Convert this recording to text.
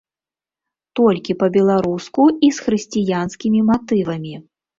Толькі па-беларуску і з хрысціянскімі матывамі.